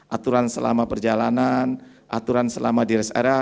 aturan selama perjalanan aturan selama di rest area